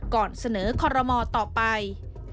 ก่อนเสนอคอรมอต่อไป